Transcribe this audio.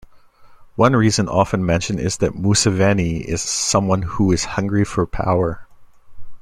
One reason often mentioned is that Museveni is someone who is hungry for power.